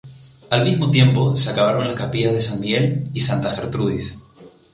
Al mismo tiempo se acabaron las capillas de San Miguel y Santa Gertrudis.